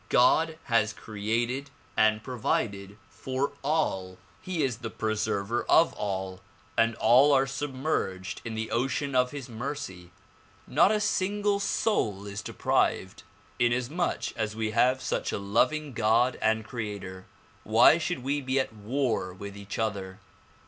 God has created and provided for all. He 96 THE PRO:\IULGATION OF UNIVERSAL PEACE is the preserver of all, and all are submerged in the ocean of his mercy. Not a single soul is deprived. Inasmuch as we have such a loving God and creator why should we be at war with each other